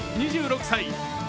２６歳。